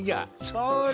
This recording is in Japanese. それ！